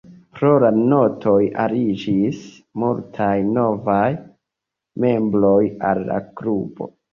Pro la Notoj aliĝis multaj novaj membroj al la klubo.